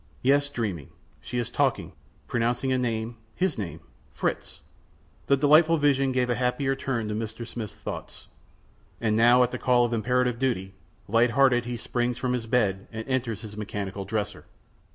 Yes, dreaming. She is talking, pronouncing a name his name Fritz! The delightful vision gave a happier turn to Mr. Smith's thoughts. And now, at the call of imperative duty, light hearted he springs from his bed and enters his mechanical dresser.